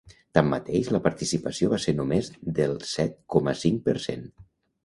Tanmateix, la participació va ser només del set coma cinc per cent.